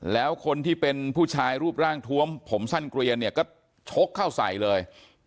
แล้วคนที่เป็นผู้ชายรูปร่างทวมผมสั้นเกลียนเนี่ยก็ชกเข้าใส่เลย